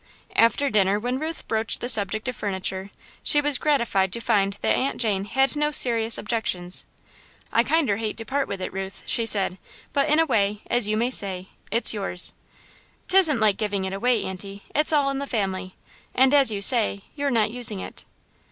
After dinner, when Ruth broached the subject of furniture, she was gratified to find that Aunt Jane had no serious objections. "I kinder hate to part with it, Ruth," she said, "but in a way, as you may say, it's yours." "'Tisn't like giving it away, Aunty it's all in the family, and, as you say, you're not using it."